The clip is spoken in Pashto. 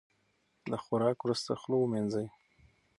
د خوراک وروسته خوله ومینځئ.